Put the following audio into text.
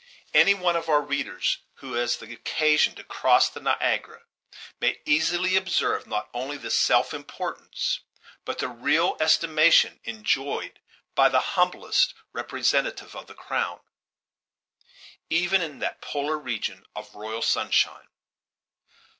Any one of our readers who has occasion to cross the Niagara may easily observe not only the self importance, but the real estimation enjoyed by the hum blest representative of the crown, even in that polar region of royal sunshine.